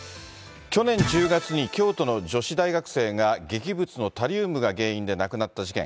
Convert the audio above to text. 去年１０月に京都の女子大学生が、劇物のタリウムが原因で亡くなった事件。